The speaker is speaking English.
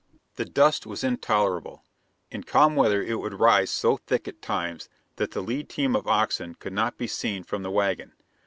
The dust was intolerable. In calm weather it would rise so thick at times that the lead team of oxen could not be seen from the wagon.